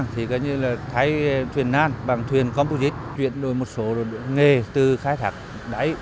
tỉnh quảng trị đã thay đổi một số nghề từ khai thạc đáy